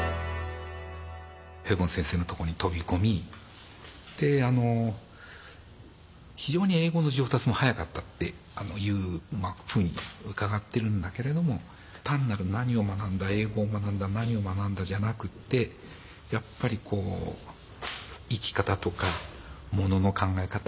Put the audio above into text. ヘボン先生のとこに飛び込み非常に英語の上達も早かったっていうふうに伺ってるんだけれども単なる何を学んだ英語を学んだ何を学んだじゃなくてやっぱり生き方とかものの考え方。